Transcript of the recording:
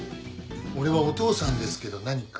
俺はお父さんですけど何か？